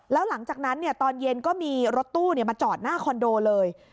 แล้วหลังจากนั้นตอนเย็นก็มีรถตู้มาจอดหน้าคอนโดเลย